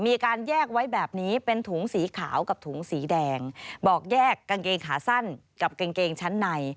มีการแยกไว้แบบนี้เป็นถุงสีขาวกับถุงสีแดงบอกแยกกางเกงขาสั้นกับกางเกงชั้นใน